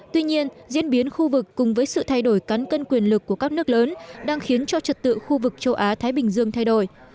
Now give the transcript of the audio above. tuy nhiên diễn biến khu vực cùng với sự thay đổi cắn cân quyền lực của các nước lớn đang khiến cho trật tự khu vực châu á thái bình dương thay đổi